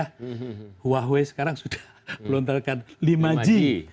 huawei sekarang sudah melontarkan lima g